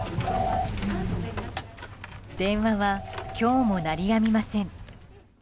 電話は今日も鳴りやみません。